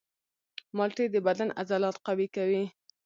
مالټې د بدن عضلات قوي کوي.